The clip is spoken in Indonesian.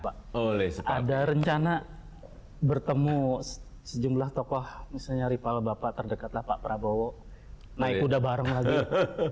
pak ada rencana bertemu sejumlah tokoh misalnya ripaw bapak terdekat lah pak prabowo naik kuda bareng lagi